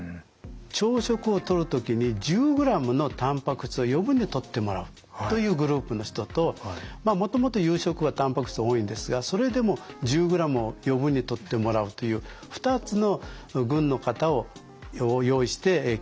朝食をとる時に１０ｇのたんぱく質を余分にとってもらうというグループの人ともともと夕食はたんぱく質多いんですがそれでも１０ｇを余分にとってもらうという２つの群の方を用意して研究をしました。